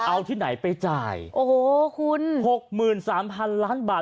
เอาที่ไหนไปจ่ายโอ้โหคุณหกหมื่นสามพันล้านบาท